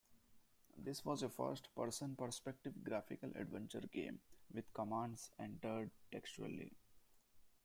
This was a first-person-perspective graphical adventure game, with commands entered textually.